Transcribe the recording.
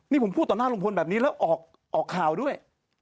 นี่ผมพูดต่อหน้าลุงพลแบบนี้แล้วออกข่าวด้วย